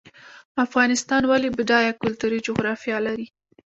افغانستان ولې بډایه کلتوري جغرافیه لري؟